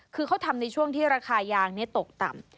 คือเขาทำในช่วงที่ราคายางนี้ตกต่ำ